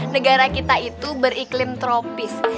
negara kita itu beriklim tropis